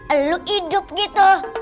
eluk hidup gitu